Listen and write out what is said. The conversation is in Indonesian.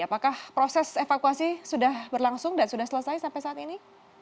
apakah proses evakuasi sudah berlangsung dan sudah selesai sampai saat ini